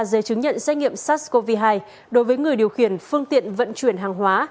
giấy chứng nhận xét nghiệm sars cov hai đối với người điều khiển phương tiện vận chuyển hàng hóa